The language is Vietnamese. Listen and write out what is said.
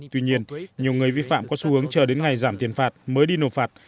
tuy nhiên nhiều người vi phạm có xu hướng chờ đến ngày giảm tiền phạt mới đi nộp phạt